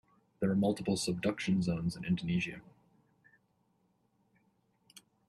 There are multiple subduction zones in Indonesia.